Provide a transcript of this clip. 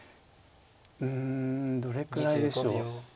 うんどれくらいでしょう。